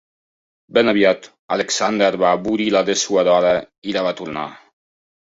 Ben aviat, Alexander va avorrir la dessuadora i la va tornar.